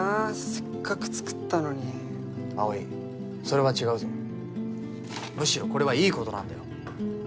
せっかく作ったのに葵それは違うぞむしろこれはいいことなんだよ